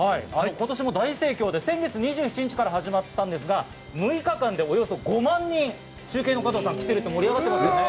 今年も大盛況で先月２７日から始まったんですが６日間でおよそ５万人、中継の加藤さん、来てると盛り上がってます。